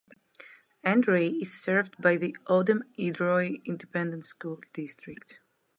Edroy is served by the Odem-Edroy Independent School District.